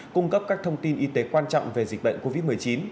cung cấp các thông tin y tế quan trọng về dịch bệnh covid một mươi chín